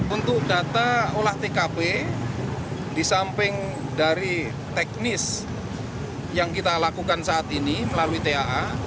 untuk data olah tkp di samping dari teknis yang kita lakukan saat ini melalui taa